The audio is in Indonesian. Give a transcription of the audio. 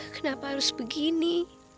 kenapa harus begini